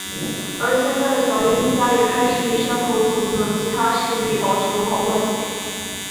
而现在的小樱一家也开始与山口组等其他势力保持友好关系。